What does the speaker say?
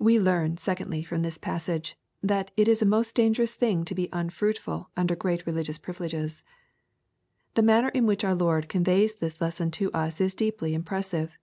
We learn, secondly, from this passage, that it is a most dangerous thing to be unfruitful under greed re ligious 'privileges. The manner in which our Lord conveys this lesson to us is deeply impressive.